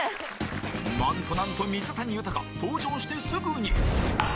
なんとなんと水谷豊登場してすぐに